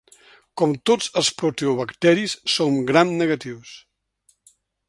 Com tots els proteobacteris són gram-negatius.